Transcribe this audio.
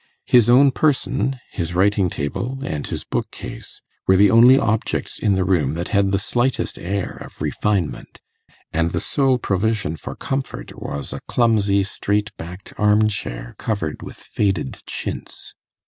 His own person, his writing table, and his bookcase, were the only objects in the room that had the slightest air of refinement; and the sole provision for comfort was a clumsy straight backed arm chair covered with faded chintz.